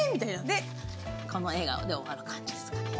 この笑顔で終わる感じです。